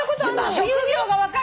職業が分かる。